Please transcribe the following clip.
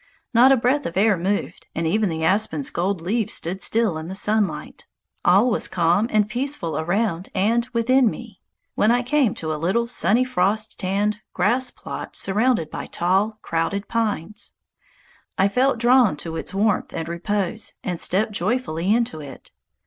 Not a breath of air moved, and even the aspen's golden leaves stood still in the sunlight. All was calm and peaceful around and within me, when I came to a little sunny frost tanned grass plot surrounded by tall, crowding pines. I felt drawn to its warmth and repose and stepped joyfully into it.